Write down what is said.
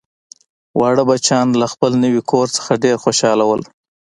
واړه بچیان له خپل نوي کور څخه ډیر خوشحاله وو